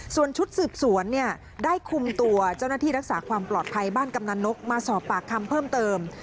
ส่วนชุดสืบสวนได้คุมตัวเจ้าหน้าที่รักษาความปลอดภัยบ้านกำนันนกมาสอบปากคำเพิ่มเติม